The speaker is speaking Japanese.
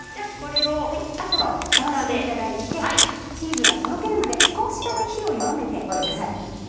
あとはふたをしていただいてチーズがとろけるまで少しだけ火を弱めてください。